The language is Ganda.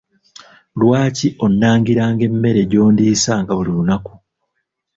Lwaki onnangiranga emmere gy'ondiisanga buli lunaku?